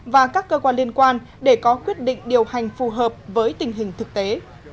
và các cơ quan liên quan để có quyết định điều hành phù hợp với tình hình thực tế